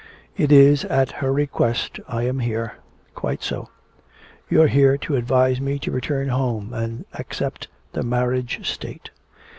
'It is at her request I am here.' 'Quite so. You're here to advise me to return home and accept the marriage state.'